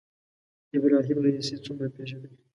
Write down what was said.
ابراهیم رئیسي څومره پېژنئ